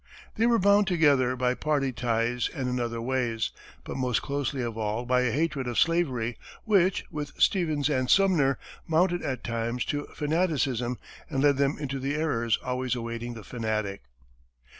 They were bound together by party ties and in other ways, but most closely of all by a hatred of slavery, which, with Stevens and Sumner, mounted at times to fanaticism and led them into the errors always awaiting the fanatic.